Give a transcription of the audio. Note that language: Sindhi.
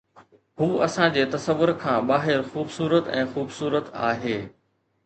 هو اسان جي تصور کان ٻاهر خوبصورت ۽ خوبصورت آهي